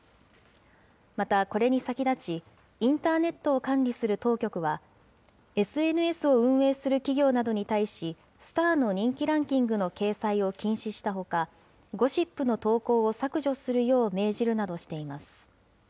またこれに先立ち、インターネットを管理する当局は、ＳＮＳを運営する企業などに対し、スターの人気ランキングの掲載を禁止したほか、ゴシップの投稿を削除するよう命じるなどしています。